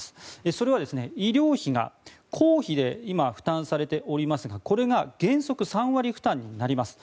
それは医療費が公費で今、負担されていますがこれが原則３割負担になります。